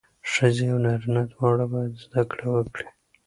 ښځې او نارینه دواړه باید زدهکړه وکړي.